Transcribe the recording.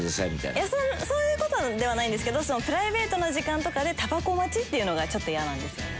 いやそういう事ではないんですけどプライベートな時間とかでタバコ待ちっていうのがちょっとイヤなんですよね。